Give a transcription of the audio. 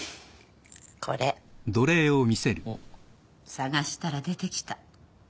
捜したら出てきた。